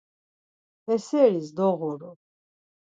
He seris doğuru.